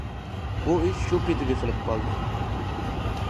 بۇ ئىش شۇ پېتى بېسىلىپ قالدى.